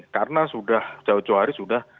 karena sudah jauh cuari